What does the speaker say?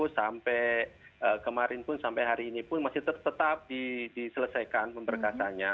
sampai kemarin pun sampai hari ini pun masih tetap diselesaikan pemberkasannya